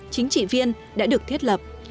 chính trị viên đã được thiết lập